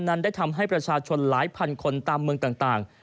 นั้นได้ทำให้ประชาชนหลายพันคนตามเมืองต่าง